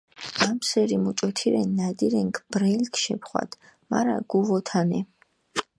ამსერი მუჭოთირენ ნადირენქ ბრელქ შეფხვადჷ, მარა გუვოთანე.